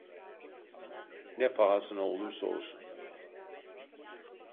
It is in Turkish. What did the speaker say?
Ne pahasına olursa olsun.